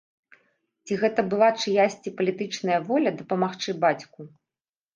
Ці гэта была чыясьці палітычная воля дапамагчы бацьку?